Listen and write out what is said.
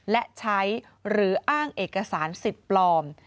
และใช้หรืออ้างเอกสารสิทธิ์ปลอม